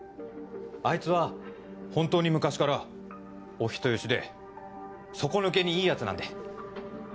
あいつは本当に昔からお人よしで底抜けにいいヤツなんで。